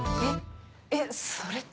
えっそれって。